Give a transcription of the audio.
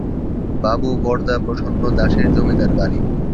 বাবু বরদা প্রসন্ন দাসের জমিদার বাড়ি